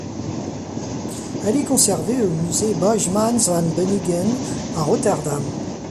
Elle est conservée au musée Boijmans Van Beuningen, à Rotterdam.